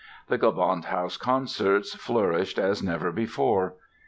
The Gewandhaus concerts flourished as never before.